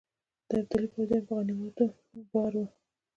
د ابدالي پوځیان په غنیمتونو بار وه.